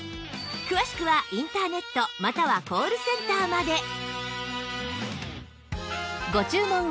詳しくはインターネットまたはコールセンターまで